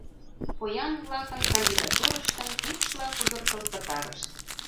Поян-влакын кандидатурыштым пӱкшла пудыртыл пытарышт.